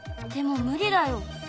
でも無理だよ。